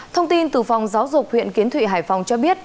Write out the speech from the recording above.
thông tin từ phòng giáo dục huyện kiến thụy hải phòng cho biết